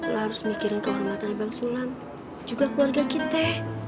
lo harus mikirin kehormatan bang sulam juga keluarga kita